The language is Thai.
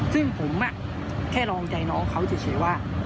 ซึ่งผมแค่ลองใจน้องเขาเฉยว่า